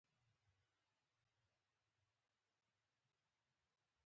پر لاره د بصیر ټینګار دا و چې نن پوهنتون نه لرم.